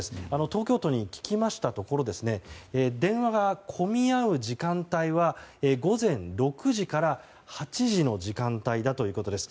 東京都に聞きましたところ電話が混み合う時間帯は午前６時から８時の時間帯だということです。